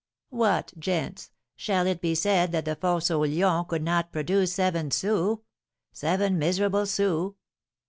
What, gents, shall it be said that the Fosse aux Lions could not produce seven sous seven miserable sous?